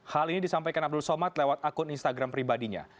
hal ini disampaikan abdul somad lewat akun instagram pribadinya